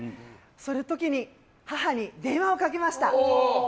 そういう時に母に電話をかけました。